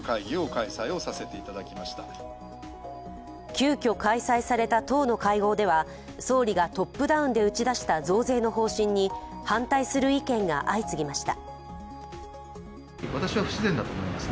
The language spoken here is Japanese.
急きょ開催された党の会合では、総理がトップダウンで打ち出した増税の方針に反対する意見が相次ぎました。